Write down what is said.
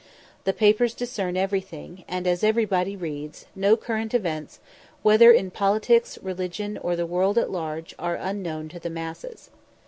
The papers discern everything, and, as everybody reads, no current events, whether in politics, religion, or the world at large, are unknown to the masses.